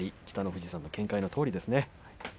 北の富士さんの見解のとおりです。